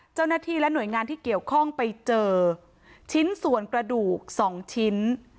เจ้าหน้าที่และหน่วยงานที่เกี่ยวข้องไปเจอชิ้นส่วนกระดูก๒ชิ้น